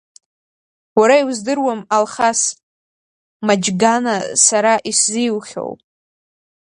Уара иуздыруам, Алхас, Маџьгана сара исзиухьоу.